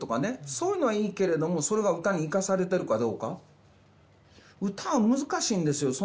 そういうのはいいけれどもそれが歌に生かされてるかどうか歌は難しいんですよ